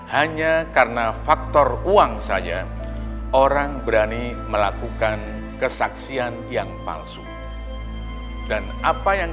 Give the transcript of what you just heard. hanya karena faktor uang saja orang berani melakukan kesaksian yang palsu dan apa yang